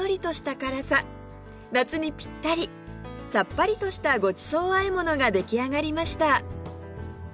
夏にピッタリ！さっぱりとしたごちそうあえものが出来上がりました